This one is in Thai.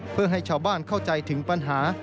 เพื่อให้ชาวบ้านเข้าใจถึงปัญหา